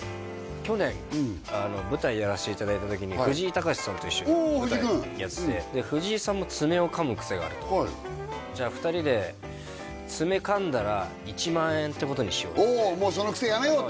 去年舞台やらせていただいた時に藤井隆さんと一緒に舞台やっててで藤井さんも爪を噛むクセがあるとじゃあ２人で爪噛んだら１万円ってことにしようっておおもうそのクセやめようと？